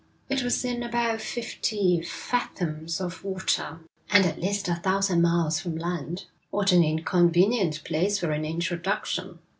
It was in about fifty fathoms of water, and at least a thousand miles from land.' 'What an inconvenient place for an introduction!'